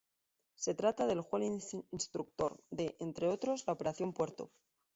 Se trata del juez instructor de, entre otros, la Operación Puerto.